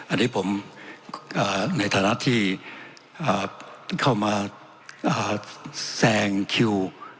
อันนี้ผมในฐานะที่เข้ามาแซงคิว